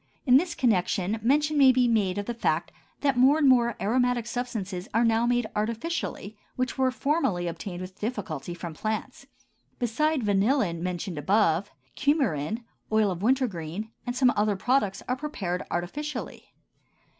In this connection mention may be made of the fact that more and more aromatic substances are now made artificially which were formerly obtained with difficulty from plants. Besides vanillin mentioned above, cumarin, oil of wintergreen, and some other products are prepared artificially.